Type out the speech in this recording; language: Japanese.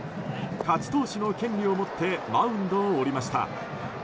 勝ち投手の権利を持ってマウンドを降りました。